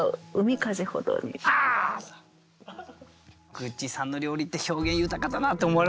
グッチさんの料理って表現豊かだなって思われますよね。